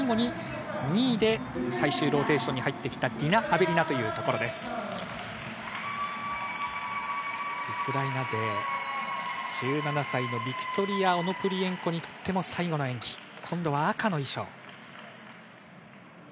２位で最終ローテーションに入ってきたディナ・アベリナ、ウクライナ勢、１７歳のビクトリア・オノプリエンコにとっても最後の演技、今度は赤の衣装。